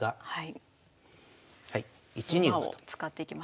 はい。